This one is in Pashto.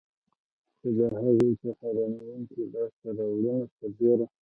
خو د هغې پر حیرانوونکو لاسته راوړنو سربېر.